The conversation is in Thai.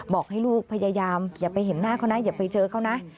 บอกให้ลูกพยายามอย่าไปเห็นหน้าเขานะอย่าไปเจอเขานะ